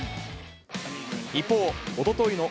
一方、おとといの、